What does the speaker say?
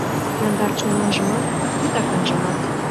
Яндар чонанжымат, титаканжымат.